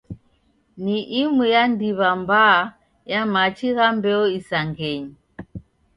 Ni imu ya ndiw'a mbaa ya machi gha mbeo isangenyi.